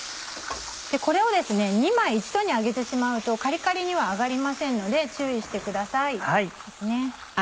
これを２枚一度に揚げてしまうとカリカリには揚がりませんので注意してください。